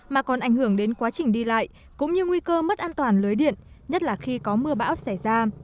mà còn ảnh hưởng đến quá trình đi lại cũng như nguy cơ mất an toàn lưới điện nhất là khi có mưa bão xảy ra